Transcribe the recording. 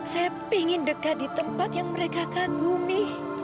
saya ingin dekat di tempat yang mereka kagumi